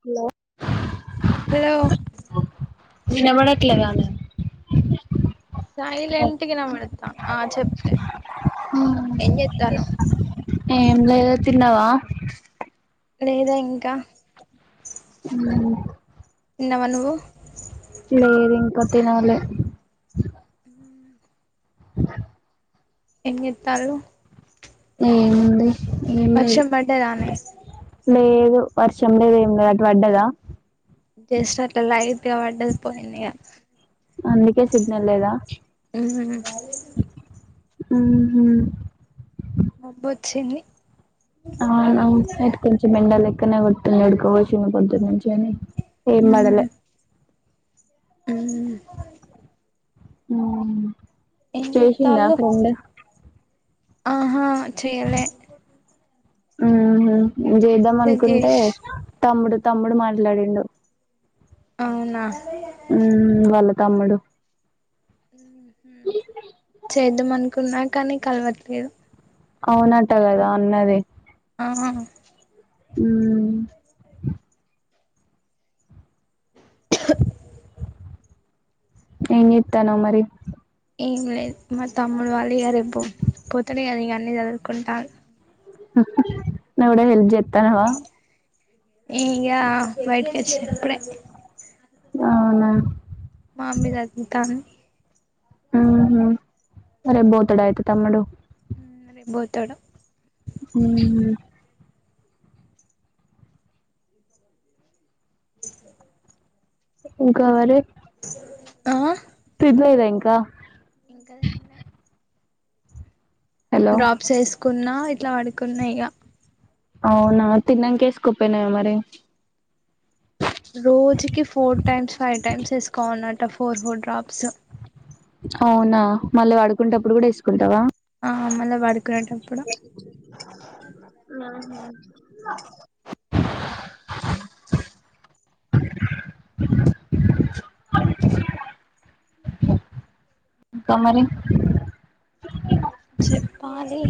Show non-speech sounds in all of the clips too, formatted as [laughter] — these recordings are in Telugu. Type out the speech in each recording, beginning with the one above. హలో హలో వినబడలేట్లేదా సైలంట్కి వినబడ ఆ చెప్పే ఎ జెస్తనవ్ ఏం లేద తిన్నావా లేదా ఇంకా అ తిన్నావా నువ్వు లేదు ఇంకా తినాలి ఎం జెత్తలు ఏముంది ఏం లేదు వర్షం పడ్డేదనే లేదు వర్షం లేదు ఏమి లేదు అటు పడ్డదా జస్ట్ అట్లా లైట్గా పడ్డది పోయింది ఇగ అందుకే సిగ్నల్ ఉహు హు మ్మ్ మబ్బు ఆచ్చింది ఆ నవు ఇటు కొంచె ఎండ లేక్కనే కోట్టింది ఉడుక పొసింది పొద్దటి నుంచి ఏమైంది ఏం పడలే హు ఉమ్ ఏం చేత్తాళ్ళు ఆహా చేయలే హు మ్మ్ నేను చేద్దాం మెసేజ్ అనుకుంటే చేసి తమ్ముడు తమ్ముడు మాట్లాడిండు అవునా ఉమ్మ్ వాళ్ల తమ్ముడు హు చేద్దాం అనుకున్నా కానీ కలవట్లేదు అవునట్ట కదా అన్నది ఆహా హు ఏం చేత్తన్నావ్ మరి ఏం లేదు మా తమ్ముడు వాళ్ళు ఇంగా రేపు పొతుడు కాదా ఇంగా అన్నీ చదురుకుంటాలు నువ్వు కూడా హెల్ప్ జేతన్నావా ఈగ బయటికి వచ్చిన ఇప్పుడే అవునా మమ్మీ సదురుతుంది ఉహు రేపు బోతాడ అయితే తమ్ముడు హు రేపు బోతాడు ఉహు ఇంకా మరి ఆ తినలేదా ఇంకా ఇంకా తినలే హలో డ్రాప్ ఏసుకున్నా ఇట్లా పడుకున్నా ఈగ అవునా తిన్నంక యేసుకుపోయినవే మరి రోజుకి ఫోర్ టైమ్స్ ఫైవ్ టైమ్స్ వేసుకోవాలంటా అన్నట ఫోర్ ఫోర్ డ్రాప్స్ అవునా మళ్ళీ పడుకుంటప్పుడు గూడా ఏసుకుంటావా ఆ మళ్ళ పడుకునేటప్పుడు ఆహా ఇంకా మరి చెప్పాలి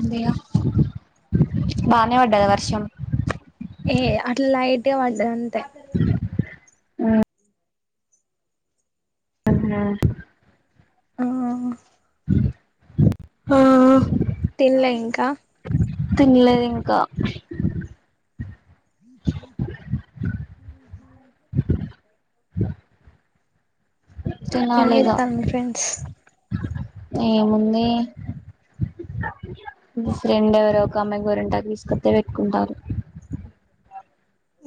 ఉందిగా బానే పడ్డద వర్షం ఏ అట్లా లైట్ గా పడ్డది అంతే అమ్మ హా హ హా ఆ తిన్లే ఇంకా తినలేదు ఇంకా [inaudible] ఏం తినాలి ఇగ చేత్తాళ్ళు మీ ఫ్రెండ్స్ ఏముంది మీ ఫ్రెండ్స్ ఎవరో ఒక అమ్మాయి గోరింటాకు తీసుకతె పెట్టుకుంటాల్లు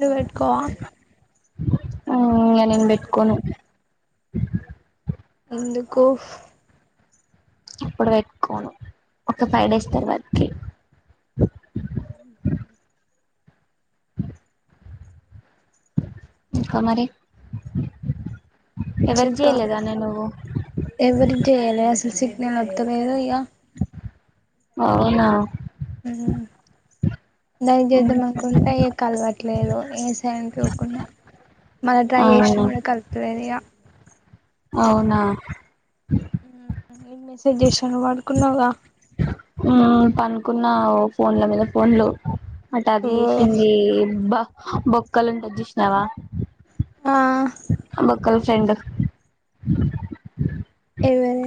నీవు పెట్కోవా ఉ ఇగ నేను పెట్టుకొను ఎందుకు ఇప్పుడు పెట్టుకోను ఒక ఫైవ్ డేస్ తర్వాతకి [inaudible] [inaudible] ఇంకా మరి ఎవరి చెప్పాలి చేయలేదానే నువ్వు ఎవరికి చేయాలే అసలు సిగ్నల్ వత్తలేదు ఇగ అవునా హు దాని కి చేద్దాం అనుకుంటే ఇగ కలవట్లేదు ఏ కుకున్నా మళ్ళ ట్రై అవును చేసిన కూడా కలుత్తలేదు ఇగ అవునా నేను మెసేజ్ చేసిన నువ్వు పడుకున్నావుగా ఉ పనుకున్నా ఫోన్ల మీద ఫోన్లు అటు అది ఓ చేసింది అబ్బా బొక్కలు ఉంటాయి చూసినవా ఆ బొక్కల ఫ్రెండ్ ఎవరే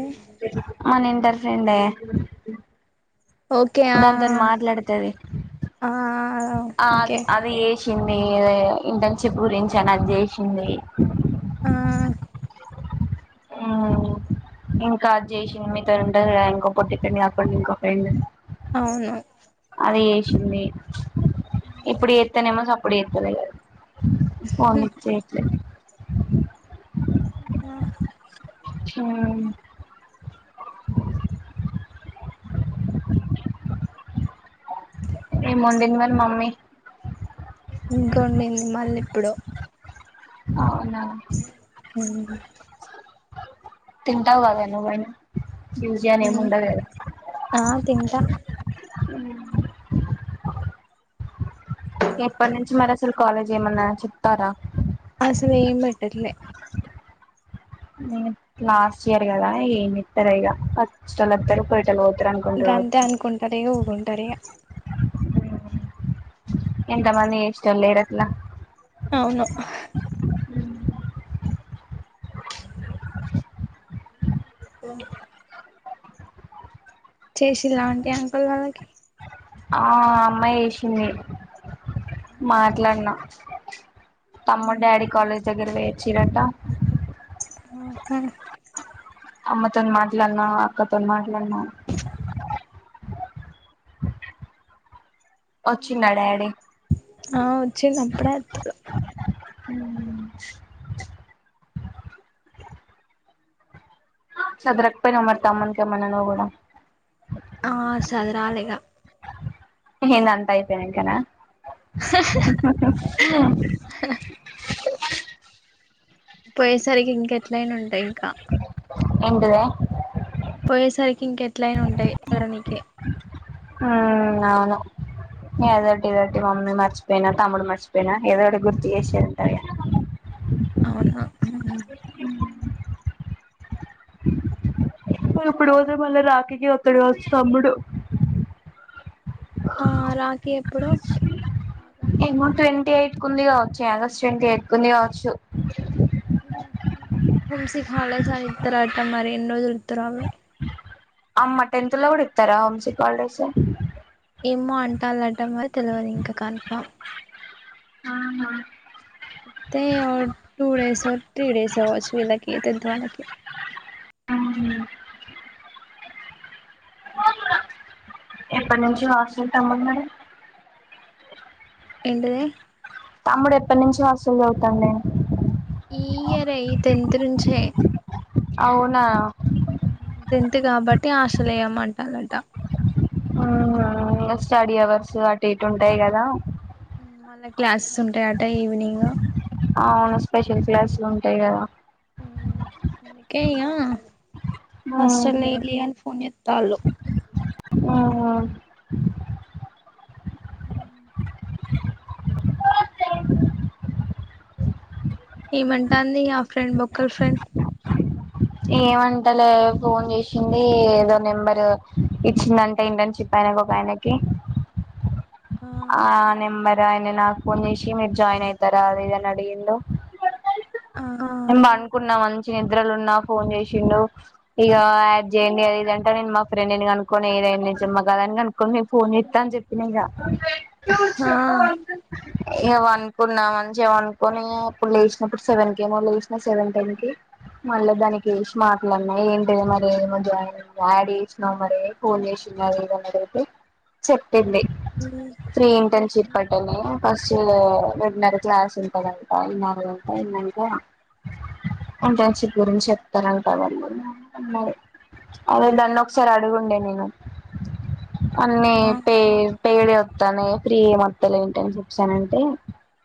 మన ఇంటర్ ఫ్రెండే ఓకే ఆ దాంతో నీ మాట్లాడుతది ఆ ఓకే చిన్ని ఇంటర్ షిప్ గురించి నాకు చేసింది ఆ ఉ ఇంకా అది చేసిన మీతో ఉంటది గదా ఇంకో పొట్టి ఫ్రెండ్ కాకుండా ఇంకో ఫ్రెండ్ అవును అది చేసింది ఇప్పుడు చేత్తనేమో సప్పుడు చెత్తలేదు ఫొన్ లిఫ్ట్ చెయ్యట్లే ఆ హ [unintelligible] ఏమొండింది మరి మమ్మీ ఇంకా ఉండింది మళ్ళీ ఇప్పుడు అవునా ఉహు తింటావు కదా నువ్వైనా ట్యూస్డే అని ఏమి ఉండవు కదా ఆ తింటా ఉ ఎప్పటి నుంచి మరి అసలు కాలేజ్ ఏమన్నా చెప్తార అసలేం పెట్లే లాస్ట్ ఇయర్ గదా ఏన్ ఇత్తరు ఈగ హచ్చలద్దరు చ ఉతర గఅంతే అనుకుంటరే ఇ ఊగుంటరే ఉ ఎంత మంది చేసేటోళ్లు లేరట్ల అవును అ ఆ చేసిల్లా అంటి అంకుల్ వాళ్ళకి ఆ అమ్మాయి వేసింది మాట్లాడిన తమ్మ డాడి కాలేజ్ దగ్గరికి పోయి వచ్చిరట ఆహా అమ్మతోన్ మాట్లాడన అక్కతోం మాట్లాడనా వచ్చిండా డాడీ ఆ వచ్చింది అప్పుడే తుడు ఉ చదరకపోయినా మరి తమ్మున్కేమైన నువ్వు కూడా ఆ సదరాలీ ఇగ ఆ ఏంది అంతా అయిపోయినంకనా పోయేసరికి ఇంకా ఎట్లయినా ఉంటాయి ఇంకా ఏంటి వే పోయేసరికి ఇంక ఎట్లయినా ఉంటాయి సరైనది ఆ అవును ఏదోటి పెట్టి మమ్మీ మర్చిపోయినా తమ్ముడు మర్చిపోయినా ఏదో ఒకటి గుర్తు చేసే ఉంటది అవున వాడు ఇప్పుడు పోతే మళ్ళీ రాఖీకే ఒత్తడు కావచ్చు తమ్ముడు ఆ రాఖీ ఎప్పుడు ఆగస్టా ఏమో ట్వంటీఎయిట్ ఎ కుంది కావచ్చు ఆగస్ట్ ట్వంటీ ఎత్కుంది కావచ్చు హోమ్ సిక్ హాలిడేసాయితరువాత మరి ఎన్నోరోజుల్ ఇత్తా ఆగురి అమ్మ టెన్త్లో కూడా ఇత్తారా హోమ్ సిక్ హాలిడేస్సు ఏమో అంటాలంట మారి తెలవదు ఇంక కన్ఫామ్ అయితే టూ డేస్ త్రీ డేస్ వచ్చినాయి వచ్చినయ్ టెన్త్ వాళ్ళకి అవును ఎప్పటి నుంచి వాస్తు తమ్ము మరి ఏండిదే తమ్ముడు ఎప్పటినుంచి వసూలు చదువుతాందే ఈ ఇయరే ఈ టెన్త్ నుంచే అవునా టెన్త్ కాబట్టి హాస్టల్ లో వేయమంటా రాంటా ఆహా ఇంగా స్టడీ అవర్స్ అటు ఇటు ఉంటాయి. కదా మళ్ళా క్లాసెస్ ఉంటాయట. ఈవినింగ్ అవును స్పెషల్ క్లాసులు ఉంటాయి. కదా అందుకే ఏయ్యా హాస్టల్ లో ఏయ్ అని ఫోన్ చేస్తాళ్ళు ఆ అ హ ఏమంటాంది. ఆ ఫ్రెండ్ బొక్కలో ఫ్రెండ్ ఏమంటలే ఫోన్ చేసింది ఏదో నెంబర్ ఇచ్చిందంటే ఏంటని చెప్ పైన ఒకాయనకి ఆ నెంబర్ ఆయన నాకు ఫోన్ చేసి మీరు జాయిన్ అయితారా. అది ఇది అడిగిండు. ఆ ేను పండుకున్న మంచి నిద్రలు ఉన్నా ఫోన్ చేసిండు. ఇక యాడ్ చేయండి. అది ఇదంటే నేను మా ఫ్రెండ్ నేను అనుకోని ఈదైం మాచిమ్మా కదని నేను ఫోన్ చేస్తా అని చెప్పిన ఇగా ఇగ పండుకున్నా మంచిగా పండుకుని ఇప్పుడు లేసినప్పుడు సెవెన్ కేమో లేస్నా సెవెన్ టెన్ కి మళ్ళీ దానికి చేసి మాట్లాడిన ఏంటి మరి ఏమో జ డాడీ వచ్చినాక మరి ఫోన్ చేసిన్న లేదా అని అడిగితే చెప్పింది. అ ఫ్రీ ఇంటెన్షిప్పట్టనే ఫస్ట్ రెంన్నర క్లాస్ ఉంటదంట ఈ నా అయినాంక ఇంటర్న్షిప్ గురించి చెప్ అదే అదే అదే నన్ను ఒకసారి అడుగుండే నేను అన్ని ఆహా పే పేడ్ వి వస్తున్నాయి. ఫ్రీ వీ వస్తలేదు. ఇంటెన్షిప్స్ అని అంటే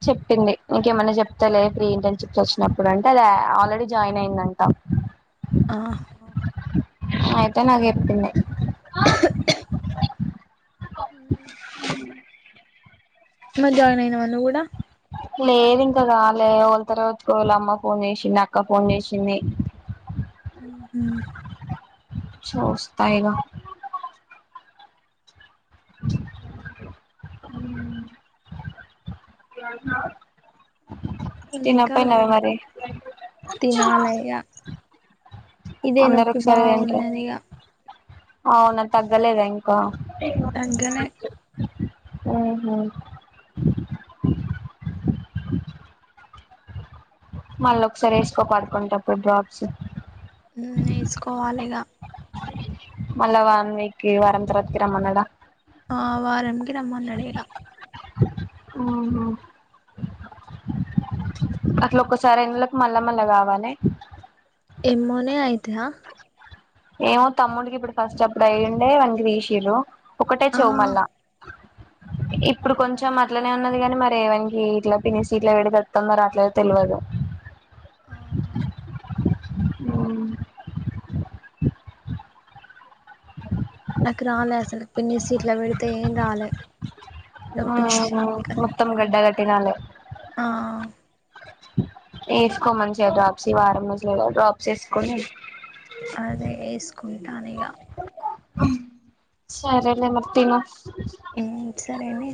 చెప్పింది ఇంకేమైన్నా చెప్తాలే ఫ్రీ ఇంటర్న్షిప్స్ వచ్చినప్పుడు అంటే అది ఆల్రెడీ జాయిన్ అయ్యిందంటా. ఆ ఐతే నాకు. మళ్ళ జాయిన్ అయినవ నువ్వు కూడా లేదు ఇంకా కాలే ఓల్తోనో వాళ్ళు అమ్మ ఫోన్ చేసింది. అక్క ఫోన్ చేసింది. ఉ చూస్తా ఇక [inaudible] ఇంకా తినపోయినవ మరి తినాలఇగ ఇదే అందరు నొప్పి ఒకసారి తింటారు బాగున్నది ఇగా అవునా తగ్గలేదా ఇంకా తగ్గలే ఉహు మల్ల ఒకసారి ఏసుకో పడుకుంటప్పుడు డ్రాప్స్ హు వేసుకోవాలిగా మళ్ళ వన్ వీకి వారం తర్వాతాకి రమ్మన్నాడా ఆ వారం కి రమ్మన్నాడు ఇగ ఆహా అట్లా ఒక్కసారి ఎందులోక్ మళ్ళా మళ్ళా కావాలి ఎమ్మోనే అయితాయా. ఏమో తమ్ముడికి ఇప్పుడు ఫస్ట్ అప్పుడు అయ్యుండే అవన్నీ తీషిర్రు ఒకటే ఆ చెవుమల్ల ఇప్పుడు అవునా కొంచెం అట్ ఇట్లనే ఉన్నది గానీ మరి ఎవనికి ఇట్లా పిన్స్ ఇట్లా పెడితే వతుందో రాట్లేదో తెల్వదు ఆహా నాకు రాలే అసలు పిన్ని సీట్లా పెడితే ఏం రాలే నొప్పి ఊహు లేసేది కానీ మొత్తం గడ్డ కట్టి రాలే ఆ వేసుకో మంచిగా డ్రాప్స్ ఈ వారం రోజులే కద డ్రాప్స్ వేసుకొని అదే ఏసుకుంటానిగ ఉ సరేలే మరి తిను ఊమ్ సరేనె